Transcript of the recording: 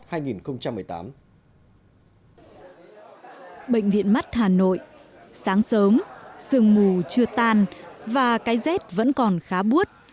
bệnh viện mắt hà nội sáng sớm sương mù chưa tan và cái dép vẫn còn khá buốt